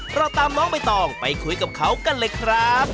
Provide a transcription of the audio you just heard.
เราตามน้องใบตองไปคุยกับเขากันเลยครับ